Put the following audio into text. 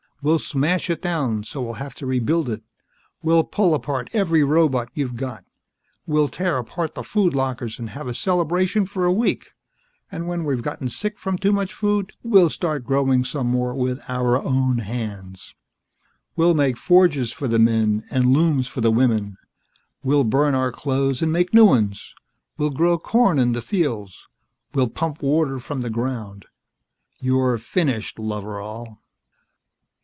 We'll smash it down, so we'll have to rebuild it. We'll pull apart every robot you've got. We'll tear apart the food lockers and have a celebration for a week, and when we've gotten sick from too much food, we'll start growing some more with our own hands. We'll make forges for the men and looms for the women. We'll burn our clothes and make new ones. We'll grow corn in the fields. We'll pump water from the ground. You're finished, Loveral."